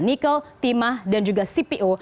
nikkel timah dan juga sipil